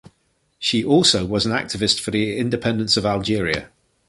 She also was an activist for the independence of Algeria.